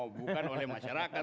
bukan oleh masyarakat